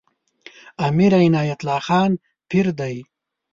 امیر عنایت الله خان پیر دی.